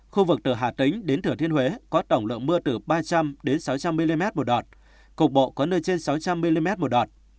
khu vực từ hà tĩnh đến thừa thiên huế có tổng lượng mưa từ ba trăm linh đến sáu trăm linh mm một đoạn cục bộ có nơi trên sáu trăm linh mm một đoạn